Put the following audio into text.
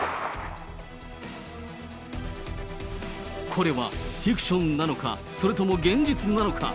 これはフィクションなのか、それとも現実なのか。